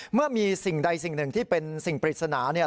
เมื่อมีสิ่งใดสิ่งหนึ่งที่เป็นสิ่งปริศนาเนี่ย